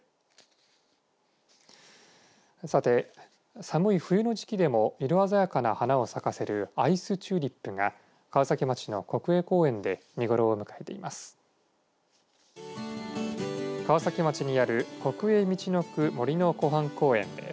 さて寒い冬の時期でも色鮮やかな花を咲かせるアイスチューリップが川崎町の国営公園で見頃を迎えています。